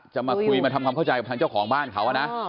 จะมาคุยมาทำความเข้าใจตัวของของบ้านเขาอ่อน่ะ